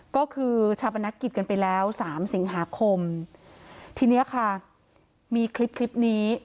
ก็คือชาปนกิจกันไปแล้วสามสิงหาคมทีเนี้ยค่ะมีคลิปคลิปนี้